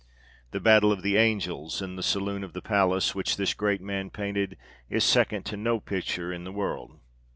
The Battle of the Angels, in the saloon of the palace, which this great man painted, is second to no picture in the world.